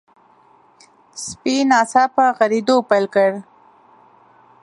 سپي ناڅاپه غريدو پيل کړ.